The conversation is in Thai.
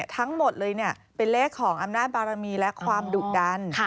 ทั้งหมดเลยเป็นเลขของอำนาจบารมีและความดุดัน